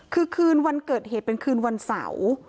คือคืนวันเกิดเหตุเป็นคืนวันเสาร์